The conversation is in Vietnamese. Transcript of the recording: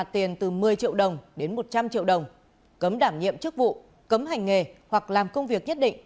từ một mươi triệu đồng đến một trăm linh triệu đồng cấm đảm nhiệm chức vụ cấm hành nghề hoặc làm công việc nhất định